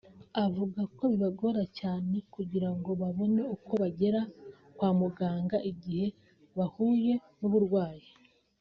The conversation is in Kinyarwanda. avuga ko bibagora cyane kugirango babone uko bagera kwa muganga igihe bahuye n’uburwayi